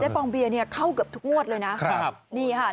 ปองเบียร์เนี่ยเข้าเกือบทุกงวดเลยนะครับนี่ค่ะ